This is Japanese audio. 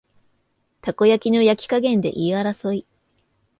たこ焼きの焼き加減で言い争い